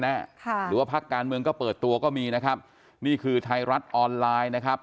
หรือว่าพักการเมืองก็เปิดตัวก็มีนะครับนี่คือไทยรัฐออนไลน์นะครับ